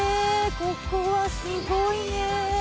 ここはすごいね！